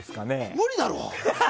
無理だろ！